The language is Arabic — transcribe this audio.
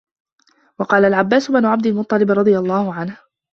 وَقَالَ الْعَبَّاسُ بْنُ عَبْدِ الْمُطَّلِبِ رَضِيَ اللَّهُ عَنْهُ